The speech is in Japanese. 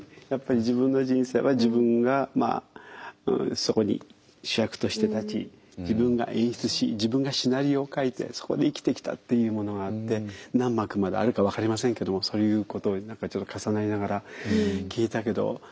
やっぱり自分の人生は自分がそこに主役として立ち自分が演出し自分がシナリオを書いてそこで生きてきたっていうものがあって何幕まであるか分かりませんけどもそういうこと何かちょっと重なりながら聞いたけど。